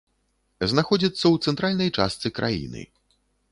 Знаходзіцца ў цэнтральнай частцы краіны.